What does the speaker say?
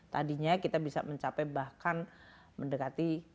tadinya kita bisa mencapai bahkan mendekati